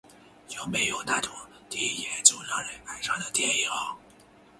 有没有那种第一眼就让人爱上的电影？